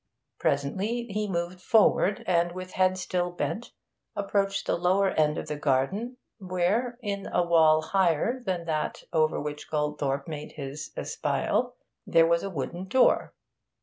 Presently he moved forward, and, with head still bent, approached the lower end of the garden, where, in a wall higher than that over which Goldthorpe made his espial, there was a wooden door.